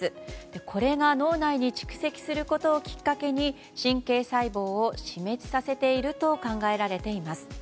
これが脳内に蓄積することをきっかけに神経細胞を死滅させていると考えられています。